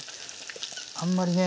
あんまりね